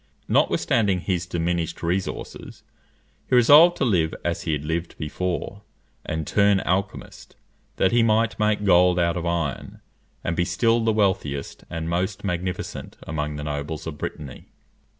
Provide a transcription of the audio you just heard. Notwithstanding his diminished resources, he resolved to live as he had lived before, and turn alchymist, that he might make gold out of iron, and be still the wealthiest and most magnificent among the nobles of Brittany.